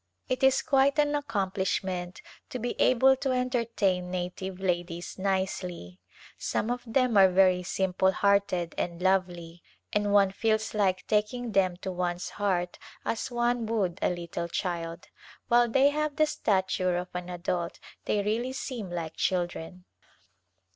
It is quite an accomplishment to be able to entertain native ladies nicely. Some of them are very simple hearted and lovely and one feels like taking them to one's heart as one would a little child. While they have the stature of an adult they really seem like children.